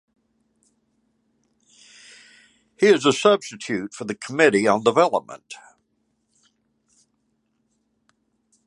He is a substitute for the Committee on Development.